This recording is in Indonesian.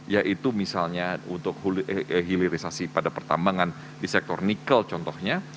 yaitu misalnya untuk hilirisasi pada pertambangan di sektor nikel contohnya